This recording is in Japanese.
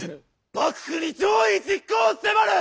幕府に攘夷実行を迫る！